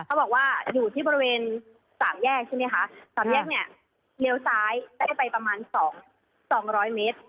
เขาบอกว่าอยู่ที่บริเวณสามแยกใช่ไหมคะสามแยกเนี่ยเลี้ยวซ้ายได้ไปประมาณสองสองร้อยเมตร